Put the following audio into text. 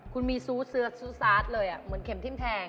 คุณมีซูซาสเลยเหมือนเข็มทิ้มแทง